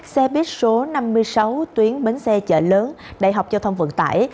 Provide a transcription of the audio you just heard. xe buýt số năm mươi sáu tuyến bến xe chợ lớn đại học giao thông vận tải